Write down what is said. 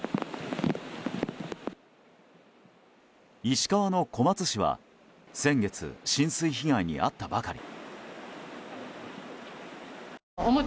石川の小松市は先月、浸水被害に遭ったばかり。